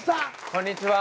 こんにちは。